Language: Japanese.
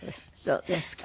そうですか。